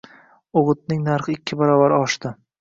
O`g`itning narxi ikki baravar oshdi